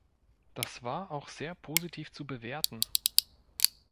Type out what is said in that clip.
Das war auch sehr positiv zu bewerten.